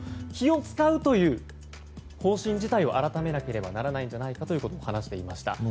気を使うという方針自体を改めなければならないんじゃないかということを話していました。